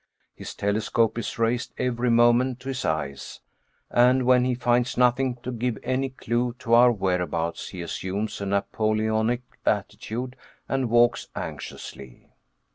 His telescope is raised every moment to his eyes, and when he finds nothing to give any clue to our whereabouts, he assumes a Napoleonic attitude and walks anxiously.